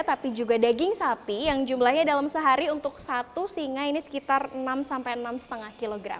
tapi juga daging sapi yang jumlahnya dalam sehari untuk satu singa ini sekitar enam enam lima kg